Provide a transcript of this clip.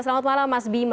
selamat malam mas bima